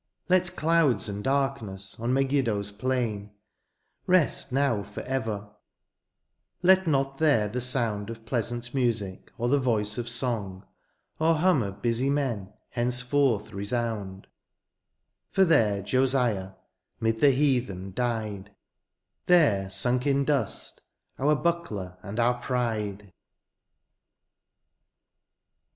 Let clouds and darkness on Megiddo's plain Rest now for ever — let not there the sound Of pleasant muaic, or the voice of song. Or hum of busy men^ henceforth resound ; For there Josiah^ *mid the heathen^ died. There sunk in dust, our buckler and our pride